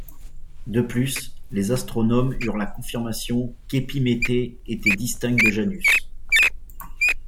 De plus, les astronomes eurent la confirmation qu'Épiméthée était distinct de Janus.